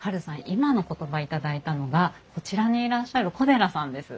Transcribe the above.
今の言葉頂いたのがこちらにいらっしゃる小寺さんです。